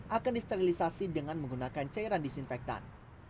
akan disterilisasi dengan menggunakan cairan disinfektan